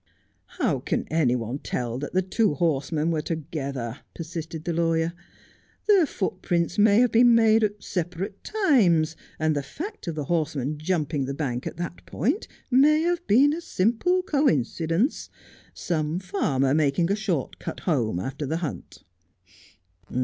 ' How can any one tell that the two horsemen were together ? persisted the lawyer. ' The footprints may have been made at separate times, and the fact of the horseman jumping the bank at that point may have been a simple coincidence ; some farmer making a short cut home after the hunt.'